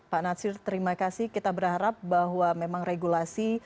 pak natsir terima kasih kita berharap bahwa memang regulasi